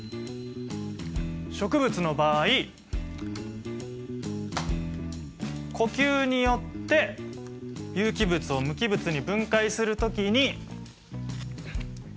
植物の場合呼吸によって有機物を無機物に分解する時にエネルギーが出る。